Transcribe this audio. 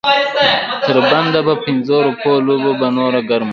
د تر بنده په پنځو روپو لوبه به نوره ګرمه شي.